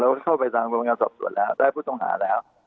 เราก็เข้าไปสร้างกระบวนการสอบสวนแล้วได้ผู้ต้องหาแล้ว